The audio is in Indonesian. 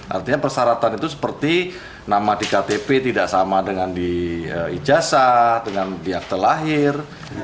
artinya persyaratan itu seperti nama di ktp tidak sama dengan di ijazah dengan pihak terlahir